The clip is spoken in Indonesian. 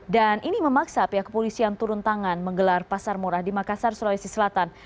dan ini memaksa pihak kepolisian turun tangan menggelar pasar murah di makassar sulawesi selatan